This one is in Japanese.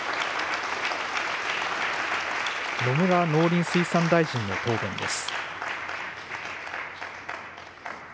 野村農林水産大臣の答弁です。